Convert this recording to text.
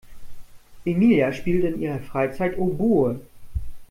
Emilia spielt in ihrer Freizeit Oboe.